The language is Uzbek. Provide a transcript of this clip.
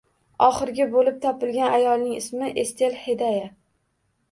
Oxirgi bo‘lib topilgan ayolning ismi Estel Xedaya